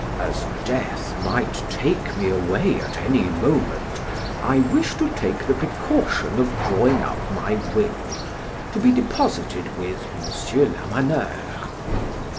As death might take me away at any moment, I wish to take the precaution of drawing up my will, to be deposited with M. Lamaneur.'"